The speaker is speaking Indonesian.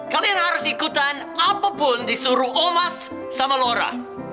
kalian harus ikutan apapun disuruh oh mas sama laura